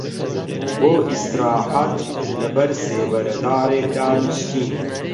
بۆ ئیستراحەت لە بەر سێبەرە دارێک دانیشتین